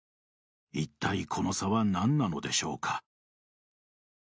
一体、この差は何なのでしょうか。